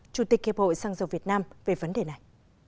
chủ tịch hiệp hội xăng dầu việt nam về vấn đề này